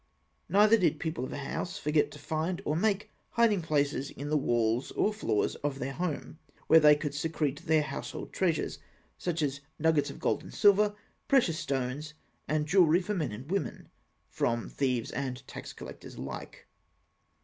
Neither did the people of a house forget to find or to make hiding places in the walls or floors of their home, where they could secrete their household treasures such as nuggets of gold and silver, precious stones, and jewellery for men and women from thieves and tax collectors alike.